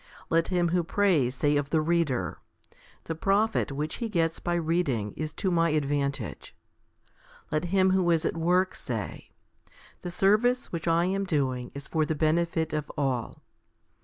Let him who prays say of the reader, " The profit which he gets by reading is to my advantage." Let him who is at work say, 1 Matt. vi. 10. 16 HOMILY III 17 "The service which I am doing is for the benefit of all."